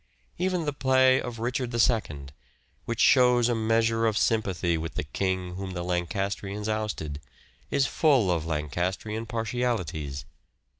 Even the play of " Richard II," which shows a measure of sympathy with the king whom the Lancastrians ousted, is full of Lancastrian partialities.